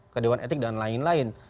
ke dewan etik dan lain lain